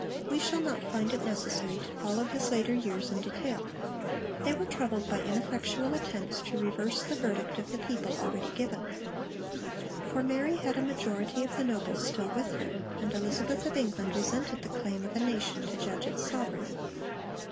We shall not find it necessary to follow his later years in detail. They were troubled by ineffectual attempts to reverse the verdict of the people already given. For Mary had a majority of the nobles still with her, and Elizabeth of England resented the claim of a nation to judge its sovereign.